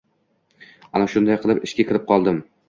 Ana shunday qilib ishga kirib qoldim.